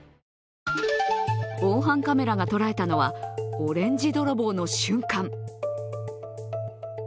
防犯カメラが捉えたのは、オレンジ泥棒の瞬間。